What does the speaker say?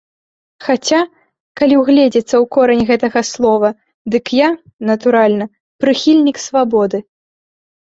Хаця, калі ўгледзецца ў корань гэтага слова, дык я, натуральна, прыхільнік свабоды.